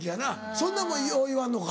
そんなんもよう言わんのか。